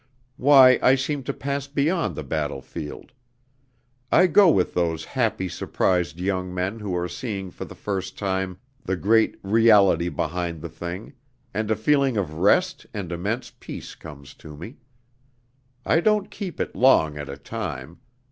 why, I seem to pass beyond the battlefield! I go with those happy, surprised young men who are seeing for the first time the great 'reality behind the thing' and a feeling of rest and immense peace comes to me. I don't keep it long at a time.